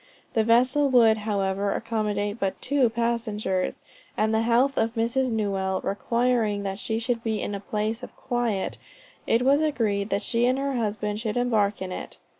The vessel would, however, accommodate but two passengers, and the health of Mrs. Newell requiring that she should be in a place of quiet, it was agreed that she and her husband should embark in it.